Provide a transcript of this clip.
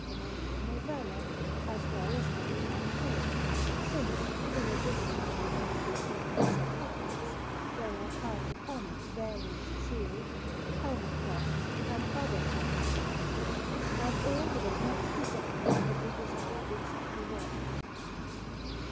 Maria Novella, as well as any man could, since, in addition to the beautiful shape of the sarcophagus, there are carved upon it various shields, helmet crests, and other fanciful things, and all with as much design as could be desired in such a work.